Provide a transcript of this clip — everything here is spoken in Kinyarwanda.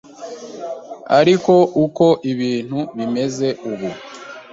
ariko uko ibintu bimeze ubu